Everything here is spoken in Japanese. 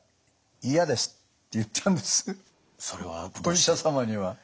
お医者様には。